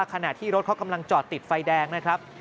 ขณะที่รถเขากำลังจอดติดไฟแดงนะครับ